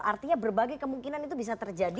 artinya berbagai kemungkinan itu bisa terjadi